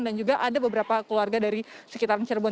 dan juga ada beberapa keluarga dari sekitar cirebon